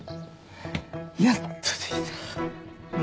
やっとできた。